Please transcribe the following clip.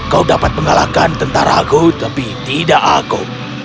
kau dapat mengalahkan tentara aku tapi tidak aku